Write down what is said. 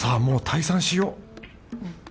もう退散しよう